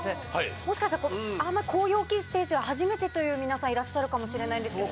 もしかしたら、あんまり、こういう大きいステージは初めてという皆さん、いらっしゃるかもしれないんですけど。